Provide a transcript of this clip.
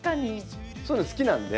そういうの好きなんで。